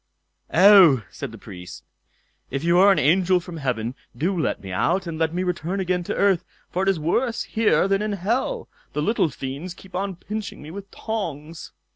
"Oh!" said the Priest, "if you are an angel from heaven, do let me out, and let me return again to earth, for it is worse here than in hell. The little fiends keep on pinching me with tongs."